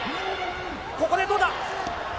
ここでどうだ？